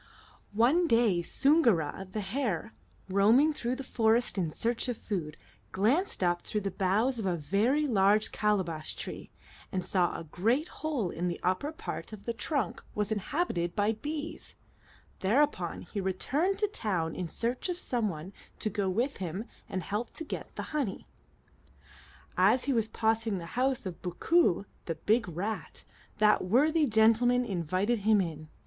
One day Soongoo'ra, the hare, roaming through the forest in search of food, glanced up through the boughs of a very large calabash tree, and saw that a great hole in the upper part of the trunk was inhabited by bees; thereupon he returned to town in search of some one to go with him and help to get the honey. As he was passing the house of Boo'koo, the big rat, that worthy gentleman invited him in.